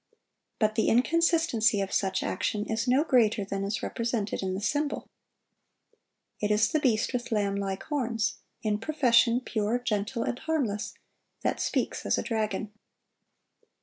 But the inconsistency of such action is no greater than is represented in the symbol. It is the beast with lamb like horns—in profession pure, gentle, and harmless—that speaks as a dragon.